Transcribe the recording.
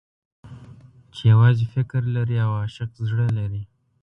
چې يوازې فکر لري او عاشق زړه لري.